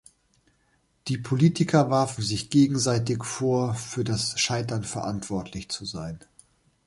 Die Politiker warfen sich gegenseitig vor, für das Scheitern verantwortlich zu sein.